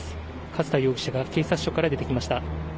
勝田容疑者が警察署から出てきました。